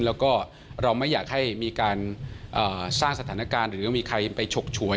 แล้วก็เราไม่อยากให้มีการสร้างสถานการณ์หรือว่ามีใครไปฉกฉวย